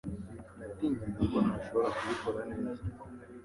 Natinyaga ko ntashobora kubikora neza